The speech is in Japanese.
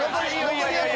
残り４つ。